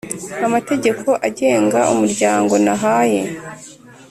Amategeko agenga Umuryango nayahe